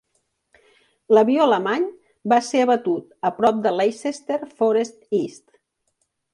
L'avió alemany va ser abatut a prop de Leicester Forest East.